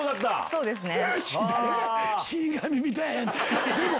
そうですね。